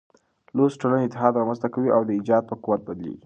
لوستې ټولنه اتحاد رامنځ ته کوي او د ايجاد په قوت بدلېږي.